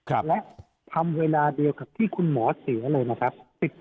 และทำเวลาเดียวกับที่คุณหมอเสียเลยนะครับ